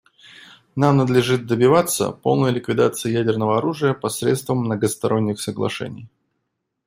Нам надлежит добиваться полной ликвидации ядерного оружия посредством многосторонних соглашений.